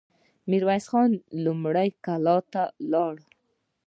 ميرويس نيکه لومړی کلات ته لاړ.